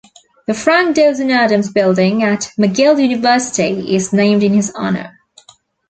The Frank Dawson Adams Building at McGill University is named in his honor.